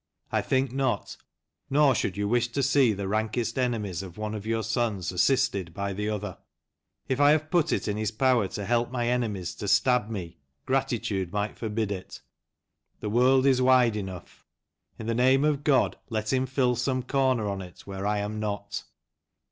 I think not, nor should you wish to see the rankest enemies of one of your sons assisted by the other ; if I have put it in his power to help my enemies to stab me, gratitude might forbid it ; the world is wide enough, — in the name of God let him fill some corner on it where I am not."